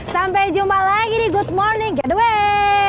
sampai jumpa lagi di good morning get the way